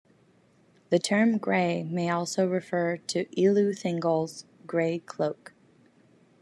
The term "grey" may also refer to Elu Thingol's grey cloak.